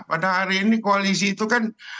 pada hari ini koalisi itu kan